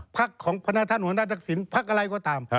ภักดิ์ของพระนาท่านหัวหน้าทักศิลป์ภักดิ์อะไรก็ตาม